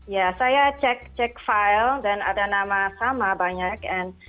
ya saya cek file dan ada nama sama banyak